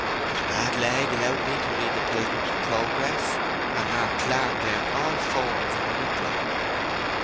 "'Twas a bad leg allowed me to read the Pilgrim's Progress, and Mark Clark learnt All Fours in a whitlow."